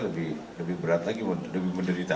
lebih lebih berat lagi lebih menderita